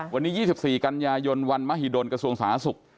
วันนี้๒๔กันยายนวันมหิดลกระทรวงสาธารณสุข